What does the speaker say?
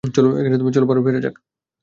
চলো বাড়ি ফেরা যাক।